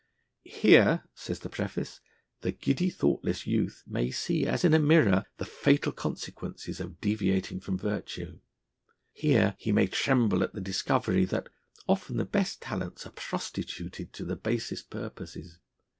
'Here,' says the preface, 'the giddy thoughtless youth may see as in a mirror the fatal consequences of deviating from virtue'; here he may tremble at the discovery that 'often the best talents are prostituted to the basest purposes.'